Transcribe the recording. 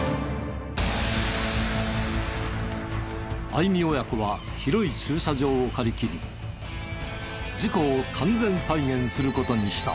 相見親子は広い駐車場を借り切り事故を完全再現する事にした。